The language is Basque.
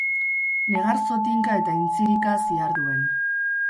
Negar zotinka eta intzirika ziharduen.